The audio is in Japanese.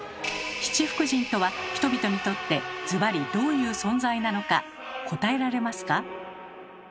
七福神とは人々にとってずばりどういう存在なのか答えられますか？